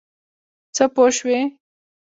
څه پوه شوې.